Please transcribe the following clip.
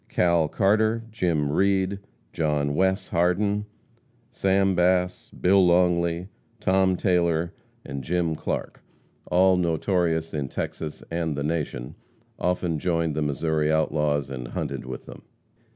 Cal Carter, Jim Reed, John Wes. Hardin, Sam Bass, Bill Longley, Tom Taylor and Jim Clark, all notorious in Texas and the Nation, often joined the Missouri outlaws and hunted with them.